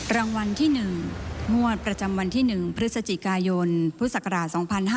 รางวัลที่๑งวดประจำวันที่๑พฤศจิกายนพุทธศักราช๒๕๕๙